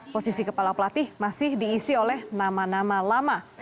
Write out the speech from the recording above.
posisi kepala pelatih masih diisi oleh nama nama lama